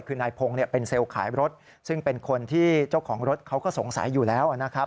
คือนายพงศ์เป็นเซลล์ขายรถซึ่งเป็นคนที่เจ้าของรถเขาก็สงสัยอยู่แล้วนะครับ